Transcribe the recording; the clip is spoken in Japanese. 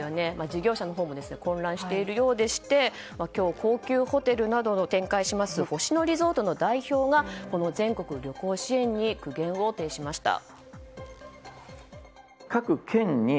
事業者のほうも混乱しているようでして今日、高級ホテルなどを展開します星野リゾートの代表が全国旅行支援に苦言を呈しました。